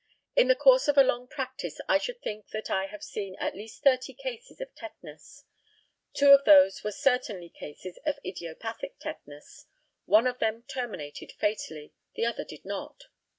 In the course of a long practice I should think that I have seen at least thirty cases of tetanus. Two of those were certainly cases of idiopathic tetanus: one of them terminated fatally, the other did not.